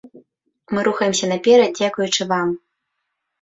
Мы рухаемся наперад дзякуючы вам.